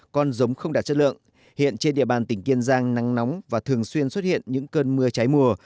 con giống không đạt chất lượng hiện trên địa bàn tỉnh kiên giang nắng nóng và thường xuyên xuất hiện những cơn mưa cháy mùa